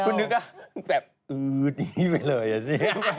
คุณนึกว่าแบบอื้ออย่างนี้ไปเลยอ่ะสิ